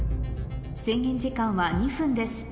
制限時間は２分です